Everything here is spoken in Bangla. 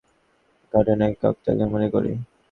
আর তুমি চাও আমি এতবড় ঘটনাকে কাকতালীয় মনে করি?